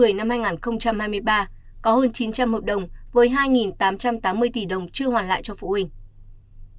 một mươi năm hai nghìn hai mươi ba có hơn chín trăm linh hợp đồng với hai tám trăm tám mươi tỷ đồng chưa hoàn lại cho phụ huynh